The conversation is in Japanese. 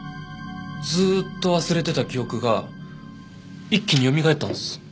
ずっと忘れてた記憶が一気によみがえったんです。